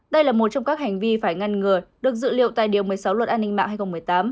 đây là một trong các hành vi phải ngăn ngừa được dự liệu tại điều một mươi sáu luật an ninh mạng hai nghìn một mươi tám